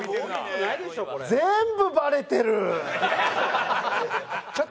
全部バレてる！